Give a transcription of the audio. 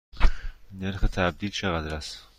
نرخ تبدیل چقدر است؟